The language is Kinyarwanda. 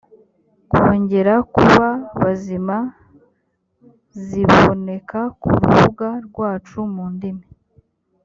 kongera kuba bazima ziboneka ku rubuga rwacu mu ndimi